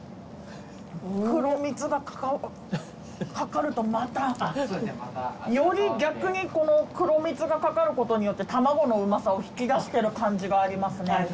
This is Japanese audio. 黒蜜が掛かるとまたより逆にこの黒蜜が掛かることによって卵のうまさを引き出してる感じがありますね。